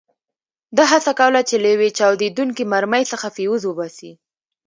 ده هڅه کوله چې له یوې چاودېدونکې مرمۍ څخه فیوز وباسي.